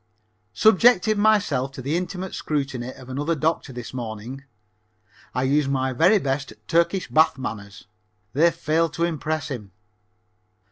_ Subjected myself to the intimate scrutiny of another doctor this morning. I used my very best Turkish bath manners. They failed to impress him.